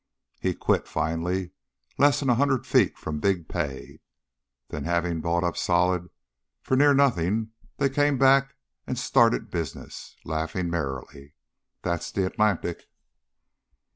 He quit, finally, less 'n a hundred feet from big pay. Then, having bought up solid for near nothing they came back and started business, laughing merrily. That's the Atlantic."